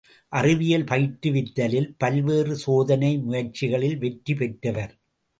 அறிவியல் பயிற்று வித்தலில் பல்வேறு சோதனை முயற்சிகளில் வெற்றி பெற்றவர்.